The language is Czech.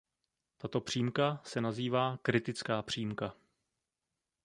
Tato přímka se nazývá "kritická přímka".